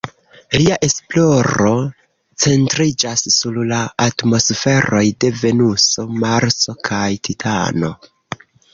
Lia esploro centriĝas sur la atmosferoj de Venuso, Marso kaj Titano.